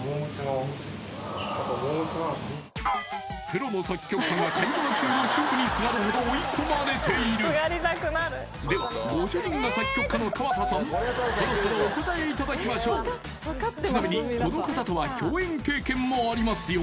プロの作曲家が買い物中の主婦にすがるほど追い込まれているではご主人が作曲家の川田さんそろそろお答えいただきましょうちなみにこの方とは共演経験もありますよ